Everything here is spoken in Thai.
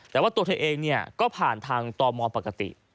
แต่ว่าตัวเธอเองเนี่ยก็ผ่านทางตมปกติ